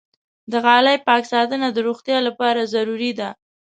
د غالۍ پاک ساتنه د روغتیا لپاره ضروري ده.